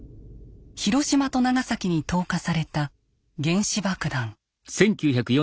広島と長崎に投下された原子爆弾。